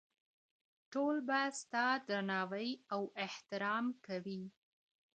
ټول به ستا درناوی او احترام کوي.